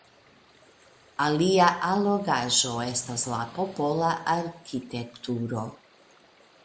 Alia allogaĵo estas la popola arkitekturo.